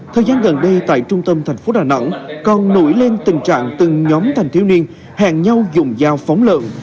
thời gian gần đây tại trung tâm thành phố đà nẵng còn nổi lên tình trạng từng nhóm thành thiếu niên hẹn nhau dùng dao phóng lợn